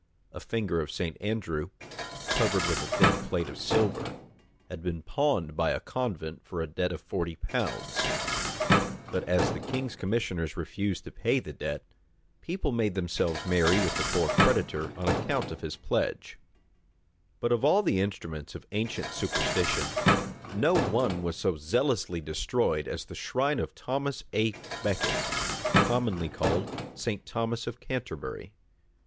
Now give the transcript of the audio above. A finger of St. Andrew, covered with a thin plate of silver, had been pawned by a convent for a debt of forty pounds; but as the king's commissioners refused to pay the debt, people made themselves merry with the poor creditor on account of his pledge. * Herbert, p. 431, 432. Stowe, p. 575. Goodwin's Annals. Stowe, p. 575. Herbert. Baker, p. 286. But of all the instruments of ancient superstition, no one was so zealously destroyed as the shrine of Thomas à Becket, commonly called St. Thomas of Canterbury.